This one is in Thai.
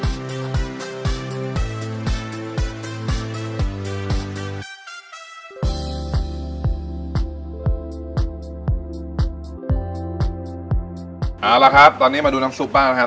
เอาละครับตอนนี้มาดูน้ำซุปบ้างนะครับ